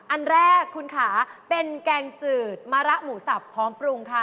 อันแรกคุณค่ะเป็นแกงจืดมะระหมูสับพร้อมปรุงค่ะ